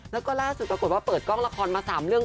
แล้วก็ล่าสุดปรากฏว่าเปิดกล้องละครมา๓เรื่อง